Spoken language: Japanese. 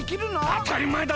あたりまえだろ。